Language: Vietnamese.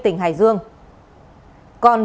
tỉnh hải dương